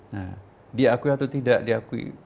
nah diakui atau tidak diakui